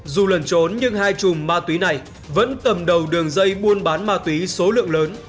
dù lẩn trốn nhưng hai chùm ma túy này vẫn cầm đầu đường dây buôn bán ma túy số lượng lớn